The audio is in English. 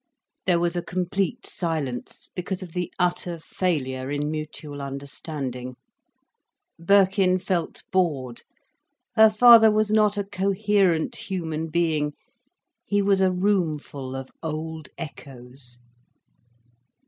There was a complete silence, because of the utter failure in mutual understanding. Birkin felt bored. Her father was not a coherent human being, he was a roomful of old echoes.